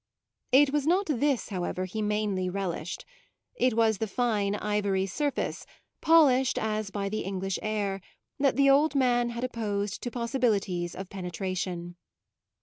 It was not this, however, he mainly relished; it was the fine ivory surface, polished as by the English air, that the old man had opposed to possibilities of penetration.